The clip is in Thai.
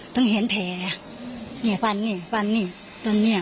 ต้องเห็นแผลเนี่ยฟันเนี่ยฟันเนี่ยตัวเนี่ย